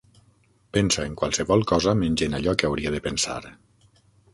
Pensa en qualsevol cosa menys en allò que hauria de pensar.